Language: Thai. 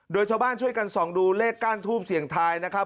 โดยชาวบ้านช่วยกันส่องดูเลขก้านทูบเสี่ยงทายนะครับ